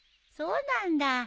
そうなんだ。